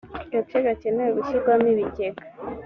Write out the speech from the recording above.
gace kagenewe gushyirwamo ibigega